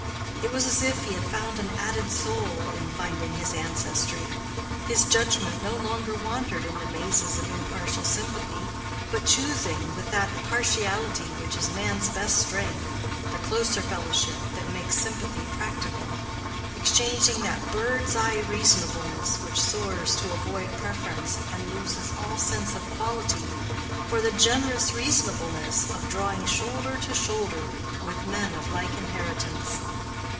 It was as if he had found an added soul in finding his ancestry—his judgment no longer wandering in the mazes of impartial sympathy, but choosing, with that partiality which is man's best strength, the closer fellowship that makes sympathy practical—exchanging that bird's eye reasonableness which soars to avoid preference and loses all sense of quality for the generous reasonableness of drawing shoulder to shoulder with men of like inheritance.